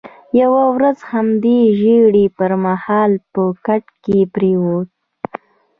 یوه ورځ د همدې ژېړي پر مهال په کټ کې پروت وم.